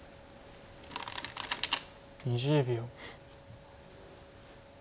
２０秒。